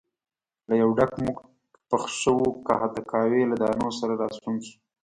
له یو ډک موټ پخ شوو د قهوې له دانو سره راستون شو.